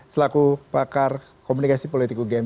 selaku pakar komunikasi politik ugm